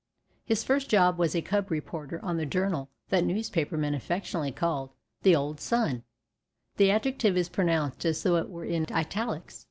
His first job was as a cub reporter on the journal that newspapermen affectionately call "the old Sun"; the adjective is pronounced as though it were in italics.